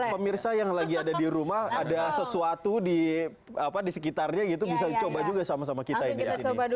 pemirsa yang lagi ada di rumah ada sesuatu di sekitarnya gitu bisa coba juga sama sama kita ini ya